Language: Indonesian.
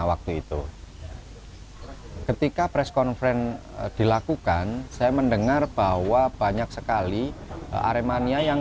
waktu itu ketika press conference dilakukan saya mendengar bahwa banyak sekali aremania yang